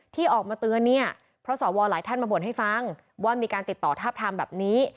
ที่ออกมาเตือนเนี่ยเพราะสวหลายท่านมาบ่นให้ฟังว่ามีการติดต่อทาบทามแบบนี้